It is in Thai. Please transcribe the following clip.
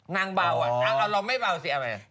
นางเบาอ่ะเอาลองไม่เบาสิเอาไง